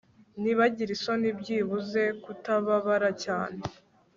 Nibagire isoni byibuze kutababara cyane